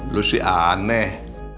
lu sih aneh